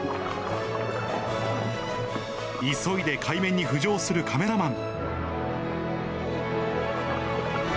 急いで海面に浮上するカメラマン。